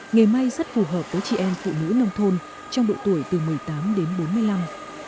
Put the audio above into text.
nghề may rất phù hợp với chị em phụ nữ nông thôn trong độ tuổi từ một mươi tám đến bốn mươi năm